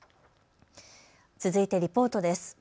続いてリポートです。